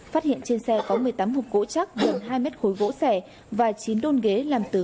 phát hiện trên xe có một mươi tám hộp gỗ chắc gần hai mét khối gỗ sẻ và chín đôn ghế làm từ